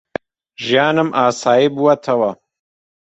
ژیانم ئاسایی بووەتەوە.